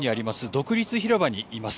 独立広場にいます。